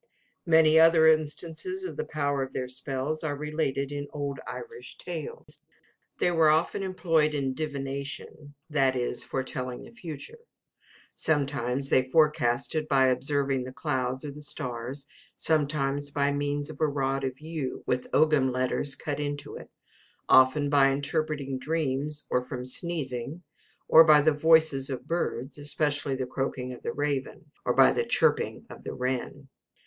Many other instances of the power of their spells are related in old Irish tales. They were often employed in divination, i.e., foretelling the future. Sometimes they forecasted by observing the clouds or the stars, sometimes by means of a rod of yew with Ogham letters cut upon it, often by interpreting dreams, or from sneezing, or by the voices of birds, especially the croaking of the raven, or the chirping of the wren.